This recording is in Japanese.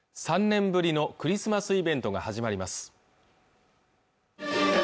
３年ぶりのクリスマスイベントが始まります